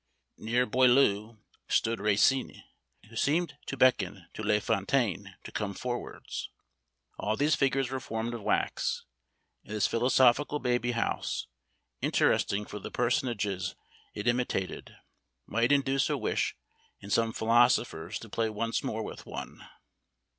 Near Boileau stood Racine, who seemed to beckon to La Fontaine to come forwards. All these figures were formed of wax; and this philosophical baby house, interesting for the personages it imitated, might induce a wish in some philosophers to play once more with one.